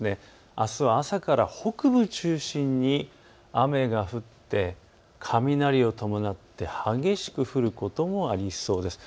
あすは朝から北部を中心に雨が降って雷を伴って激しく降ることもありそうです。